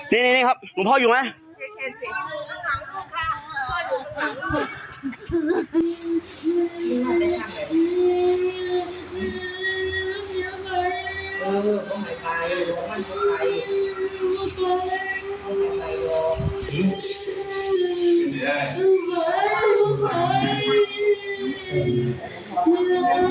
นี่ครับหลวงพ่ออยู่ไหม